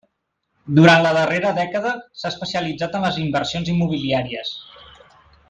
Durant la darrera dècada s'ha especialitzat en les inversions immobiliàries.